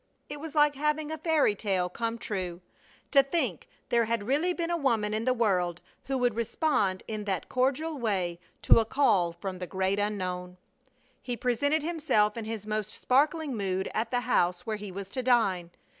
It was like having a fairy tale come true. To think there had really been a woman in the world who would respond in that cordial way to a call from the great unknown! He presented himself in his most sparkling mood at the house where he was to dine.